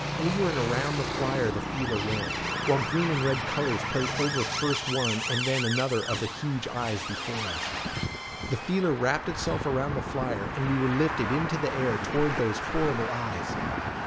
Over and around the flyer the feeler went, while green and red colors played over first one and then another of the huge eyes before us. The feeler wrapped itself around the flyer and we were lifted into the air toward those horrible eyes.